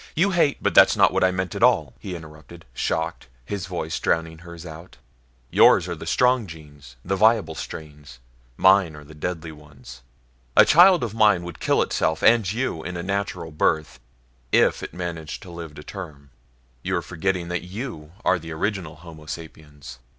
You hate " "But that's not what I meant at all," he interrupted, shocked, his voice drowning hers out. "Yours are the strong genes, the viable strains mine are the deadly ones. A child of mine would kill itself and you in a natural birth, if it managed to live to term. You're forgetting that you are the original homo sapiens.